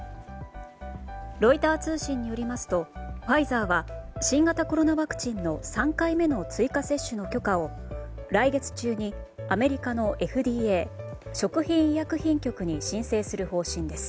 ロイター通信によりますとファイザーは新型コロナワクチンの３回目の追加接種の許可を来月中にアメリカのＦＤＡ・食品医薬品局に申請する方針です。